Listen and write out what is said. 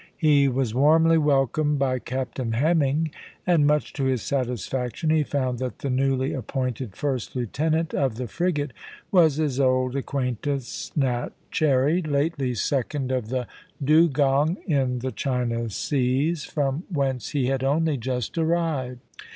He was warmly welcomed by Captain Hemming, and, much to his satisfaction, he found that the newly appointed first lieutenant of the frigate was his old acquaintance Nat Cherry, lately second of the Dugong in the China Seas, from whence he had only just arrived.